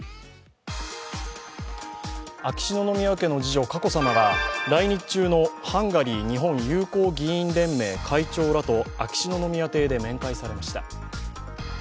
秋篠宮家の次女・佳子さまが来日中のハンガリー日本友好議員連盟会長らと秋篠宮邸で面会されました。